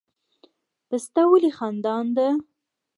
پسته ولې خندان ده؟